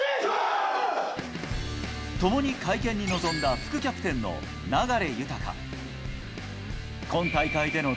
共に会見に臨んだ副キャプテンの流大。